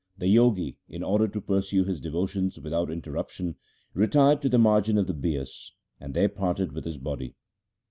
The Jogi, in order to pursue his devotions without inter ruption, retired to the margin of the Bias, and there parted with his body.